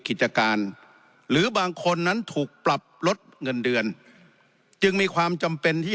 กิจการหรือบางคนนั้นถูกปรับลดเงินเดือนจึงมีความจำเป็นที่